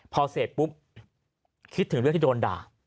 พอเสร็จปุ๊บคิดถึงเรื่องที่โดนด่า